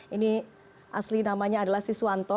ini asli namanya adalah siswanto